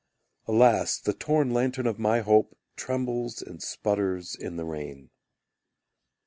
Alas, the torn lantern of my hope Trembles and sputters in the rain.